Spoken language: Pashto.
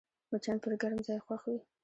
مچان پر ګرم ځای خوښ وي